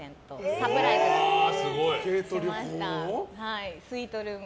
サプライズでしました。